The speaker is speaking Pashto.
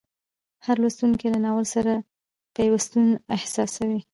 هر لوستونکی له ناول سره پیوستون احساسوي.